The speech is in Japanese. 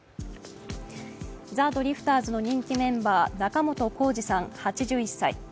ザ・ドリフターズの人気メンバー仲本工事さん８１歳。